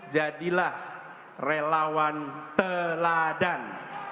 jadilah relawan teladan